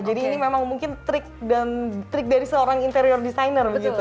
jadi ini memang mungkin trik dari seorang interior designer begitu